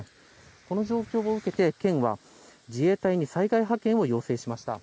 この状況を受けて、県は自衛隊に災害派遣を要請しました。